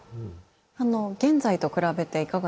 現在と比べていかがですか？